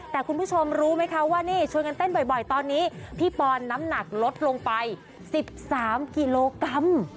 แต่คุณผู้ชมรู้ไหมคะว่านี่ชวนกันเต้นบ่อยตอนนี้พี่ปอนน้ำหนักลดลงไป๑๓กิโลกรัม